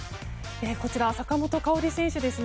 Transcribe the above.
こちら坂本花織選手です。